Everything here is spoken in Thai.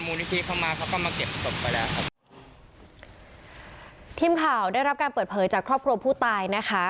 นิธิเข้ามาเขาก็มาเก็บศพไปแล้วครับทีมข่าวได้รับการเปิดเผยจากครอบครัวผู้ตายนะคะ